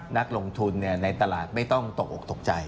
นักลงทุนในตลาดไม่ต้องตกออกตกใจ